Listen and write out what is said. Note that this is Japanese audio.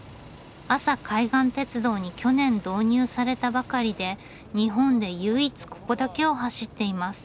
阿佐海岸鉄道に去年導入されたばかりで日本で唯一ここだけを走っています。